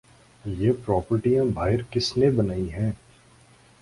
یہ پراپرٹیاں باہر کس نے بنائی ہیں؟